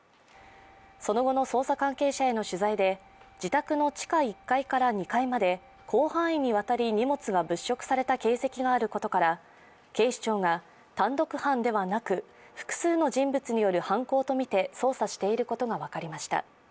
その後の捜査関係者への取材で自宅の地下１階から２階まで広範囲にわたり荷物が物色された形跡があることから警視庁が、単独犯ではなく複数の人物による犯行とみて捜査していることが分かりました。